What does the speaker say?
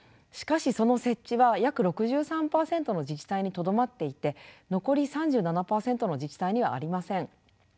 しかしその設置は約６３％の自治体にとどまっていて残り３７％の自治体にはありません。